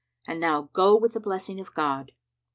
And now go with the blessing of God."